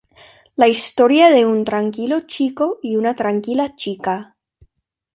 La historia de un tranquilo chico y una tranquila chica.